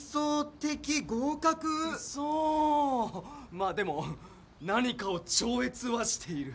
まあでも何かを超越はしている。